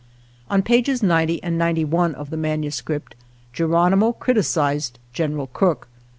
On pages ninety and ninety one of the manuscript, Geronimo criticised General Crook.